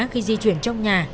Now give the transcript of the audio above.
khi di chuyển trong nhà